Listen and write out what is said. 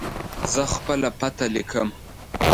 زه خپله پته لیکم.